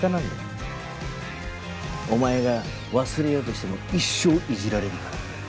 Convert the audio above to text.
お前が忘れようとしても一生いじられるから。